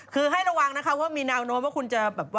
คือให้ระวังนะครับมีนางโนมว่าคุณจะ